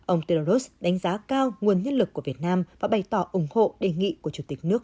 ông teros đánh giá cao nguồn nhất lực của việt nam và bày tỏ ủng hộ đề nghị của chủ tịch nước